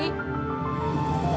iya kita berdoa